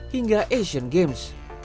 hingga asian games